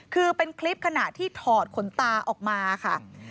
คือเป็นคลิปขณะที่ถอดขนตาออกมาค่ะ